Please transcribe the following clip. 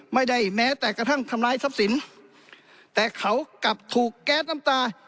ไม่ได้แม้แต่กระทั่งทำร้ายทรัพย์สินแต่เขากลับถูกแก๊สน้ำตา